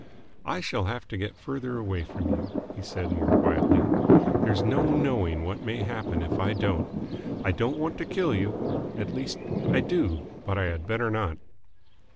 "I shall have to get further away from you," he said more quietly. "There's no knowing what may happen if I don't. I don't want to kill you. At least, I do, but I had better not."